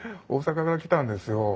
大阪から来たんですよ。